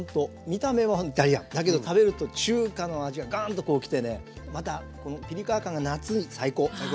見た目はイタリアンだけど食べると中華の味がガンとこうきてねまたこのピリ辛感が夏に最高！